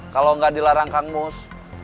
kalau nggak dilarang kang mus